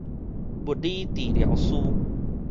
物理治療師